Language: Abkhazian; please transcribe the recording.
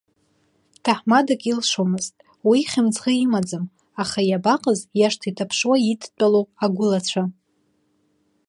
Ҭаҳмадак, илшомызт, уи хьымӡӷы имаӡам, аха иабаҟаз, иашҭа иҭаԥшуа идтәалоу агәылацәа?!